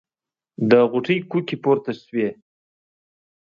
د غوټۍ کوکې پورته شوې.